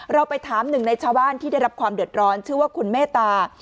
เราไปถามหนึ่งในชาวบ้านที่ได้รับความเดือดร้อนชื่อว่าคุณเมตตา